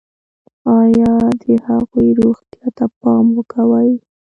ایا د هغوی روغتیا ته پام کوئ؟